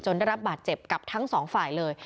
ได้รับบาดเจ็บกับทั้งสองฝ่ายเลย